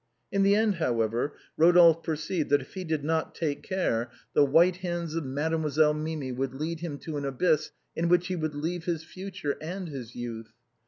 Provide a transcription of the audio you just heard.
In the end, however, Rodolphe perceived that if he did not take care the white hands of Mademoiselle Mimi would lead him to an abyss in which he would leave his future and his youth.